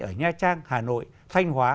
ở nha trang hà nội thanh hóa